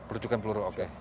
percikan peluru oke